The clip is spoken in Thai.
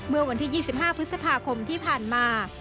เมื่อวันที่๒๕พฤษภาคมที่ผ่านมา